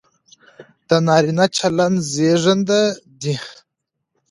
د نارينه چلن زېږنده دى،